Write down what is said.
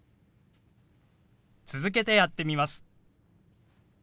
続けてやってみます。